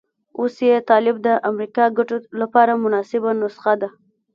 اوس چې طالب د امریکا ګټو لپاره مناسبه نسخه ده.